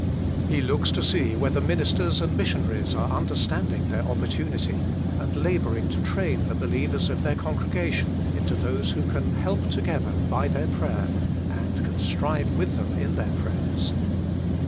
He looks to see whether ministers and missionaries are under standing their opportunity, and labouring to train the believers of their congregation into those who can "help together" by their prayer, and can " strive with them in their prayers."